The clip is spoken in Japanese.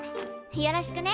よろしくね。